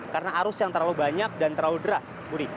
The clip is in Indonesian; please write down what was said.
karena arus yang terlalu banyak dan terlalu deras